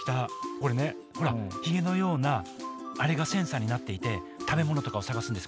これねほらヒゲのようなあれがセンサーになっていて食べ物とかを探すんです。